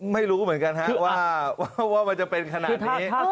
ไม่รู้เหมือนกันฮะว่ามันจะเป็นขนาดนี้